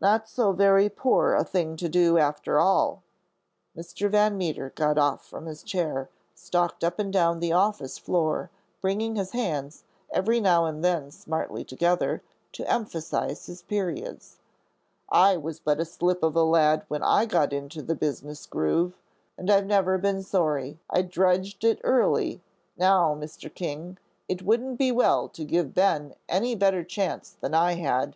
"Not so very poor a thing to do after all." Mr. Van Meter got off from his chair, stalked up and down the office floor, bringing his hands every now and then smartly together, to emphasize his periods: "I was but a slip of a lad when I got into the business groove, and I've never been sorry I drudged it early. Now, Mr. King, it wouldn't be well to give Ben any better chance than I had.